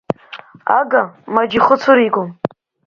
Ага маџьихыцәыригом.